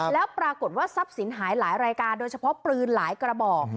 แล้วปรากฏว่าทรัพย์สินหายหลายรายการโดยเฉพาะปืนหลายกระบอก